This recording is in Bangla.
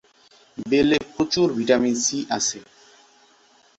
বেলে প্রচুর ভিটামিন সি আছে।